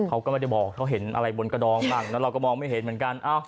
เขาก็ไม่ได้บอกเขาเห็นอะไรบนกระดองบ้างแล้วเราก็มองไม่เห็นเหมือนกัน